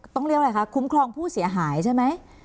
ต้องเรียกอะไรคะคุ้มครองผู้เสียหายใช่ไหม